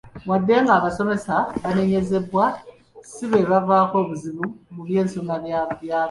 "Wadde nga abasomesa banenyezebwa, si beebavaako obuzibu mu by'ensoma y'abaana."